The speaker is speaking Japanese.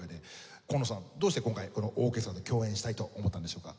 紺野さんどうして今回このオーケストラと共演したいと思ったんでしょうか？